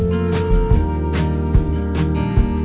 ไม่รู้ทันหรือเปล่า